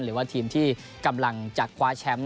หรือว่าทีมที่กำลังจะคว้าแชมป์